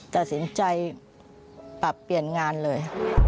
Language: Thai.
ตัดสินใจปรับเปลี่ยนงานเลย